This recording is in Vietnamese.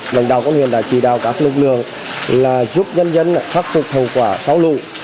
lãnh đạo công huyện đã chỉ đào các lực lượng là giúp dân dân khắc phục hậu quả sau lũ